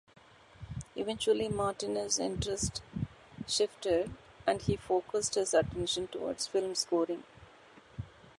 Eventually, Martinez' interests shifted and he focused his attention toward film scoring.